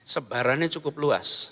sebarannya cukup luas